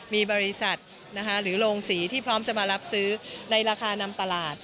มีบริษัทหรือโรงสีที่พร้อมจะมารับซื้อในราคานำตลาด